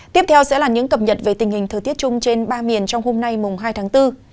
tiếp theo sẽ là những cập nhật về tình hình thời tiết chung trên ba miền trong hôm nay mùng hai tháng bốn